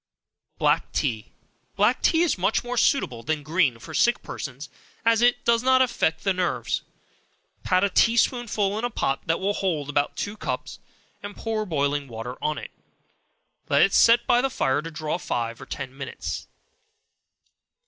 Black Tea. Black tea is much more suitable than green for sick persons, as it does not affect the nerves. Pat a tea spoonful in a pot that will hold about two cups, and pour boiling water on it. Let it set by the fire to draw five or ten minutes.